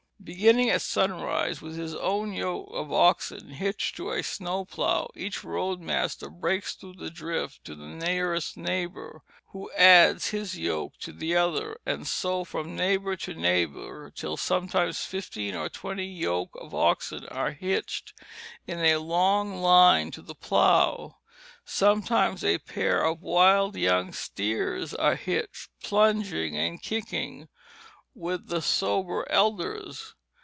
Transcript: Beginning at sunrise with his own yoke of oxen hitched to a snow plough, each road master breaks through the drift to the nearest neighbor, who adds his yoke to the other, and so from neighbor to neighbor till sometimes fifteen or twenty yoke of oxen are hitched in a long line to the plough. Sometimes a pair of wild young steers are hitched, plunging and kicking, with the sober elders.